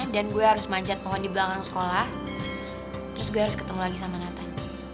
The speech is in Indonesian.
dan gue harus manjat pohon di belakang sekolah terus gue harus ketemu lagi sama nathan